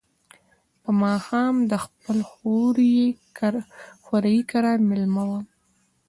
په ماښام د خپل خوریي کره مېلمه وم.